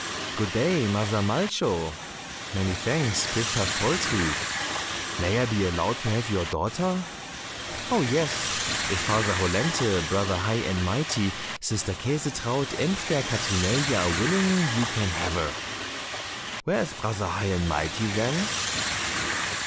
"Good day, Mother Malcho." "Many thanks, Pif paf poltrie." "May I be allowed to have your daughter?" "Oh, yes, if Father Hollenthe, Brother High and Mighty, Sister Käsetraut, and fair Katrinelje are willing, you can have her." "Where is Brother High and Mighty, then?"